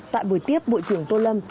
tại buổi tiếp bộ trưởng tô lâm